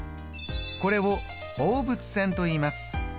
これを放物線といいます。